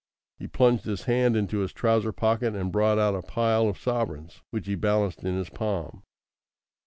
He plunged his hand into his trouser pocket and brought out a pile of sovereigns, which he balanced in his palm.